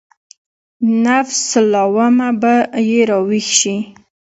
نفس لوامه به يې راويښ شي.